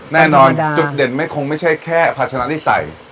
แน่นอนจุดเด่นมันคงไม่ใช่แค่ผัดชะนัดที่ใส่